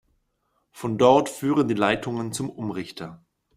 Von dort führen die Leitungen zum Umrichter.